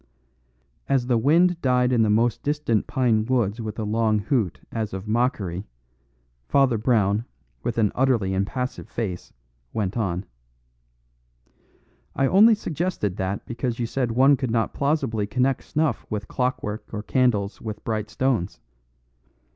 As the wind died in the most distant pine woods with a long hoot as of mockery Father Brown, with an utterly impassive face, went on: "I only suggested that because you said one could not plausibly connect snuff with clockwork or candles with bright stones.